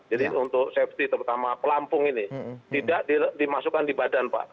jadi untuk safety terutama pelampung ini tidak dimasukkan di badan pak